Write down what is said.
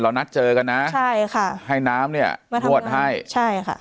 นัดเจอกันนะใช่ค่ะให้น้ำเนี้ยมานวดให้ใช่ค่ะ